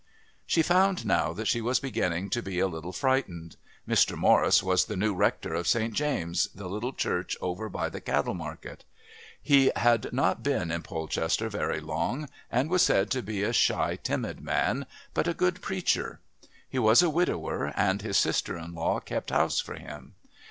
She found now that she was beginning to be a little frightened. Mr. Morris was the new Rector of St. James', the little church over by the cattle market. He had not been in Polchester very long and was said to be a shy timid man, but a good preacher. He was a widower, and his sister in law kept house for him.